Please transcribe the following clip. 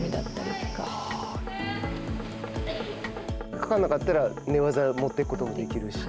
かからなかったら寝技へ持っていくこともできるし。